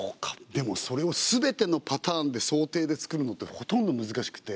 でもそれをすべてのパターンで想定で作るのってほとんど難しくて。